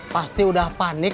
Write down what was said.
pasti udah panik